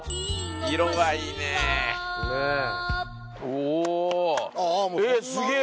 色がいいねぇ。